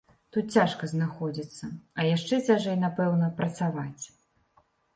Тут цяжка знаходзіцца, а яшчэ цяжэй, напэўна, працаваць.